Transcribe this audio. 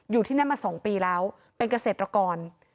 อยู่ที่นั่นมา๒ปีแล้วเป็นเกษตรกร